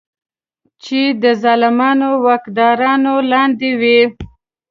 چې د ظالمو واکدارانو لاندې وي.